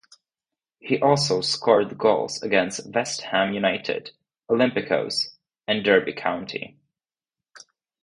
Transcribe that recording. He also scored goals against West Ham United, Olympiacos and Derby County.